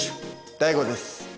ＤＡＩＧＯです。